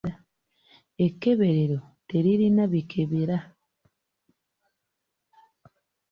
Ekkeberero teririna bikebera.